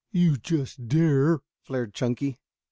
"You just dare," flared Chunky.